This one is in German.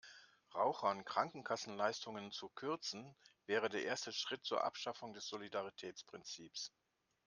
Rauchern Krankenkassenleistungen zu kürzen, wäre der erste Schritt zur Abschaffung des Solidaritätsprinzips.